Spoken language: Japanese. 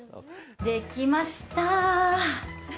できましたー。